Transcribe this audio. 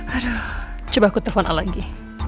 aduh coba aku telepon a lagi